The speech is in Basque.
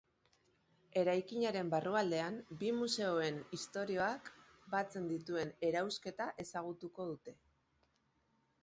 Eraikinaren barrualdean, bi museoen istorioak batzen dituen erausketa ezagutuko dute.